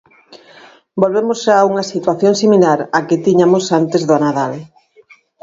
Volvemos xa a unha situación similar á que tiñamos antes do Nadal.